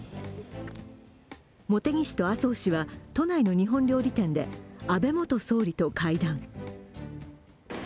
茂木氏と麻生氏は都内の日本料理店と安倍元総理と会談。